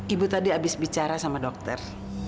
ibu tadi abis bicara sama dokter